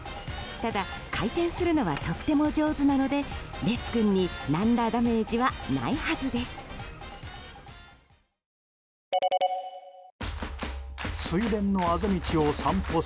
ただ、回転するのはとても上手なので烈君に何らダメージはないはずです。